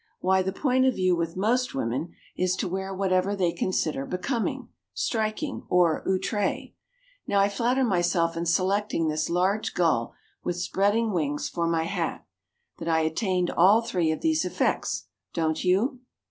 Why, the point of view with most women is to wear whatever they consider becoming, striking, or outré. Now I flatter myself in selecting this large gull with spreading wings for my hat, that I attained all three of these effects, don't you?"